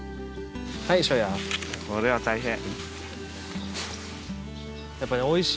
これは大変。